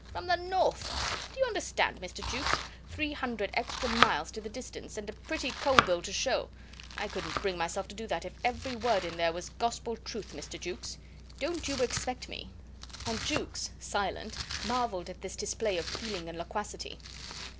From the north! Do you understand, Mr. Jukes? Three hundred extra miles to the distance, and a pretty coal bill to show. I couldn't bring myself to do that if every word in there was gospel truth, Mr. Jukes. Don't you expect me. ..." And Jukes, silent, marvelled at this display of feeling and loquacity.